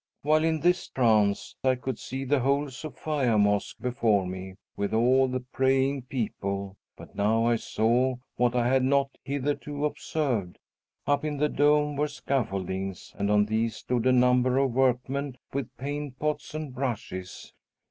While in this trance I could see the whole Sophia Mosque before me, with all the praying people; but now I saw what I had not hitherto observed. Up in the dome were scaffoldings, and on these stood a number of workmen with paint pots and brushes.